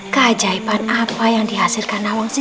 keajaiban apa yang dihasilkan nawangsi